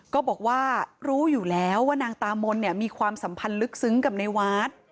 ก็บอกว่ารู้อยู่แล้วว่านางตามนเนี่ยมีความสัมพันธ์ลึกซึ้งกับในวาส